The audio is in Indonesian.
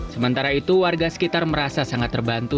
sementara itu warga sekitar merasa sangat terbantu